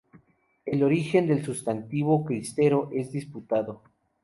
El origen del sustantivo cristero es disputado.